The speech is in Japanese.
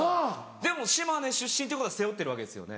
でも島根出身ってことは背負ってるわけですよね？